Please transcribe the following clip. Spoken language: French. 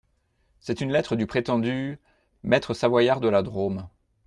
C’est une lettre du prétendu… maître Savoyard de la Drôme.